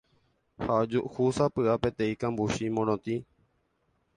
ha ojuhúsapy'a peteĩ kambuchi morotĩ